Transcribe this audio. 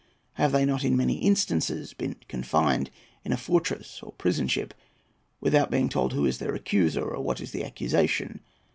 Have they not in many instances been confined in a fortress or prison ship without being told who is their accuser or what is the accusation?